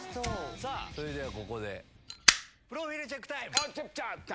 さあ、それではここでプロフプロフィールチェックタイム。